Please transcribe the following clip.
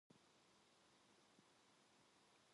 벌써 간난의 손은 끓는 물에 익어서 빨갛게 타오른다.